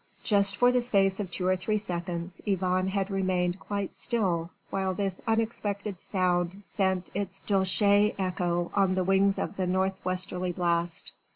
Just for the space of two or three seconds Yvonne had remained quite still while this unexpected sound sent its dulcet echo on the wings of the north westerly blast.